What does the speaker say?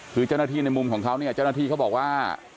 คือเจ้าหน้าที่ในมุมของเขาเนี่ยเจ้าหน้าที่เขาบอกว่า